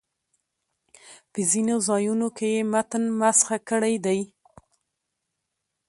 په ځینو ځایونو کې یې متن مسخ کړی دی.